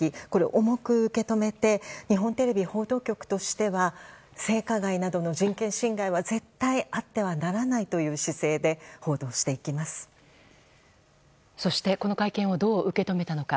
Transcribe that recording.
重く受け止めて日本テレビ報道局としては性加害などの人権侵害は絶対にあってはならないという姿勢でそして、この会見をどう受け止めたのか。